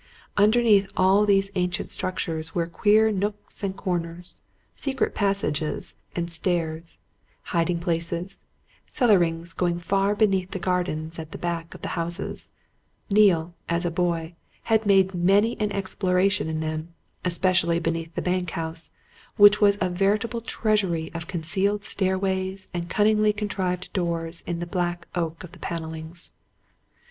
Underneath all these ancient structures were queer nooks and corners, secret passages and stairs, hiding places, cellarings going far beneath the gardens at the backs of the houses: Neale, as a boy, had made many an exploration in them, especially beneath the bank house, which was a veritable treasury of concealed stairways and cunningly contrived doors in the black oak of the panellings.